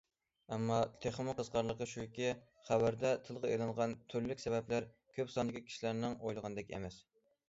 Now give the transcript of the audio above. ئەمما تېخىمۇ قىزىقارلىقى شۇكى، خەۋەردە تىلغا ئېلىنغان تۈرلۈك سەۋەبلەر كۆپ ساندىكى كىشىلەرنىڭ ئويلىغىنىدەك ئەمەس.